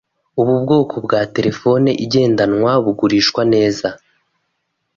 Ubu bwoko bwa terefone igendanwa bugurishwa neza.